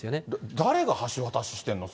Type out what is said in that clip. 誰が橋渡ししてんの？